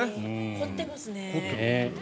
こってますね。